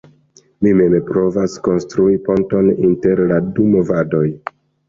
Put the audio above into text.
Mi mem provas konstrui ponton inter la du movadoj.